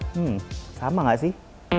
hmm sama gak sih